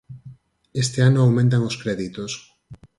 Este ano aumentan os créditos.